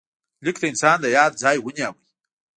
لیک د انسان د یاد ځای ونیو.